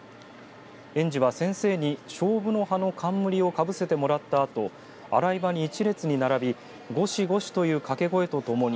園児は先生にしょうぶの葉の冠をかぶせてもらったあと洗い場に１列に並びごしごしという掛け声とともに